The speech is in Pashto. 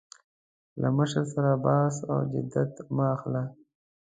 له مشر سره بحث او جدیت مه اخله.